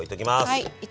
はい。